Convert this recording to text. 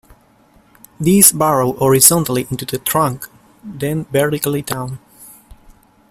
These burrow horizontally into the trunk then vertically down.